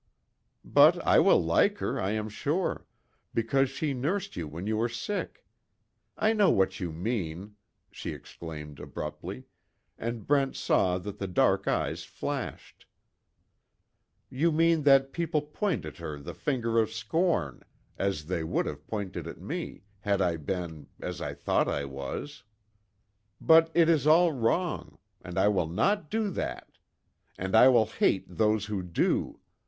"But I will like her, I am sure, because she nursed you when you were sick. I know what you mean!" she exclaimed abruptly, and Brent saw that the dark eyes flashed, "You mean that people point at her the finger of scorn as they would have pointed at me, had I been as I thought I was. But it is all wrong, and I will not do that! And I will hate those who do!